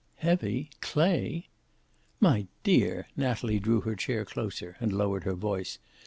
"Heavy! Clay!" "My dear!" Natalie drew her chair closer and lowered her voice.